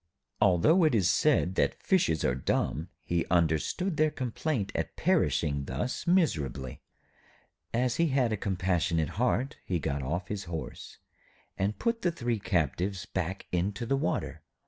Although it is said that fishes are dumb, he understood their complaint at perishing thus miserably. As he had a compassionate heart, he got off his horse and put the three captives back into the water.